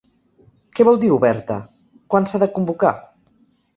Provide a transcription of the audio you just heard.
Què vol dir, ‘oberta’? Quan s’ha de convocar ?